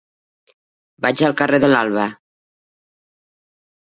Vaig al carrer de l'Alba.